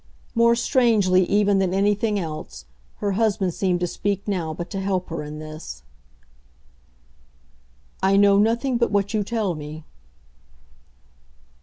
More strangely even than anything else, her husband seemed to speak now but to help her in this. "I know nothing but what you tell me."